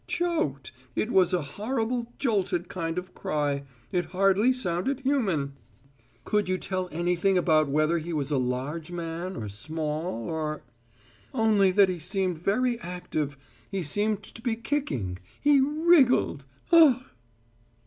"Choked. It was a horrible, jolted kind of cry. It hardly sounded human." "Could you tell anything about whether he was a large man, or small, or " "Only that he seemed very active. He seemed to be kicking. He wriggled ugh!"